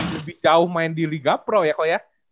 lebih jauh main di liga pro ya kok ya